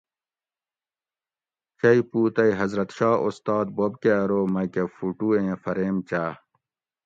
چئ پوُ تئ حضرت شاہ اُستاد بوب کٞہ ارو مۤکٞہ فُٹو ایں فریم چاٞ